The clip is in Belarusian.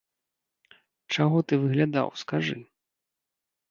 Чаго ты выглядаў, скажы?